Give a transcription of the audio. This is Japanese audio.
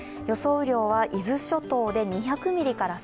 雨量は伊豆諸島で２００３００ミリ